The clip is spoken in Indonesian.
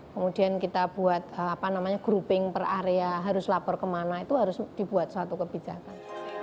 kemudian kita buat grouping per area harus lapor kemana itu harus dibuat suatu kebijakan